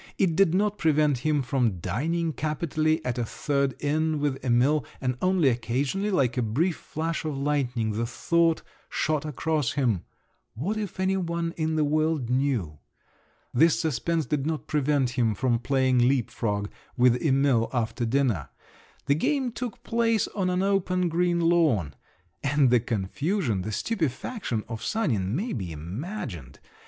It did not prevent him from dining capitally at a third inn with Emil; and only occasionally, like a brief flash of lightning, the thought shot across him, What if any one in the world knew? This suspense did not prevent him from playing leap frog with Emil after dinner. The game took place on an open green lawn. And the confusion, the stupefaction of Sanin may be imagined!